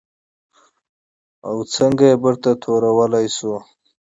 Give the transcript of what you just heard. او څنګه یې بېرته تورولی شو؟